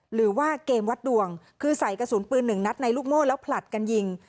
หรือว่าเกมวัดดวงคือใส่กระสุนปืนหนึ่งนัดในลูกโม่แล้วผลัดกันยิง